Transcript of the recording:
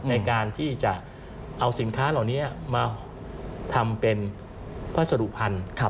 ในการที่จะเอาสินค้าเหล่านี้มาทำเป็นพัสดุพันธุ์